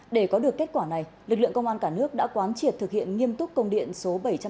để có được kết quả này lực lượng công an cả nước đã quán triệt thực hiện nghiêm túc công điện số bảy trăm tám mươi